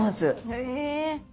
へえ。